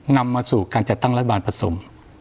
นำมาสู่การจัดตั้งรัฐบาลผสม